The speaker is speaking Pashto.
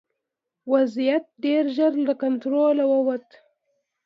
وضعیت ډېر ژر له کنټروله ووت.